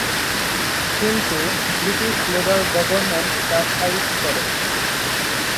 কিন্তু British Labour government তা খারিজ করে।